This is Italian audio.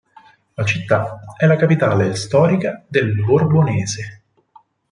La città è la capitale storica del Borbonese.